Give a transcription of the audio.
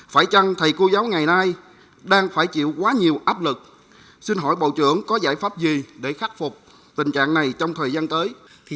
phải chăng thầy cô giáo ngày nay đang phải chịu quá nhiều áp lực xin hỏi bộ trưởng có giải pháp gì để khắc phục tình trạng này trong thời gian tới